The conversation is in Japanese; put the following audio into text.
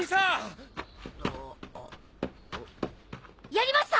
やりました！！